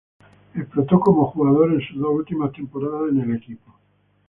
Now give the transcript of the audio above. Explotó como jugador en sus dos últimas temporadas en el equipo.